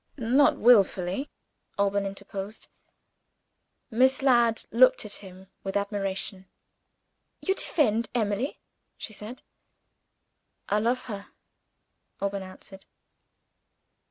"Not willfully!" Alban interposed. Miss Ladd looked at him with admiration. "You defend Emily?" she said. "I love her," Alban answered.